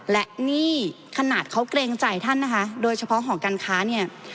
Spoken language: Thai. และนี่ขนาดเขาเกรงใจท่านนะคะโดยเฉพาะหอการค้าเนี่ย